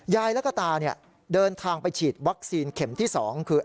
ยายแล้วก็ตาเดินทางไปฉีดวัคซีนเข็มที่๒คือ